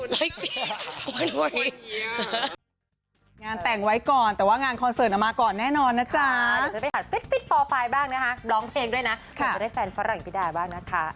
รออีกปีนึงค่ะวันเยียร์วันเยียร์